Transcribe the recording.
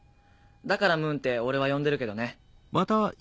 だからムーンって俺は呼んでるけどね。